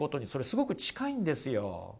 すごく近いんですよ。